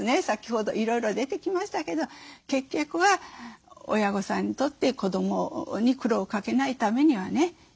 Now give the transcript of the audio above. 先ほどいろいろ出てきましたけど結局は親御さんにとって子どもに苦労をかけないためにはね